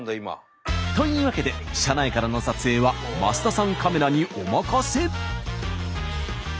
というわけで車内からの撮影は増田さんカメラにお任せ。